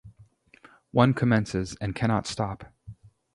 One commences and cannot stop.